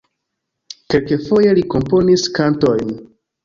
Kelkfoje li komponis kantojn.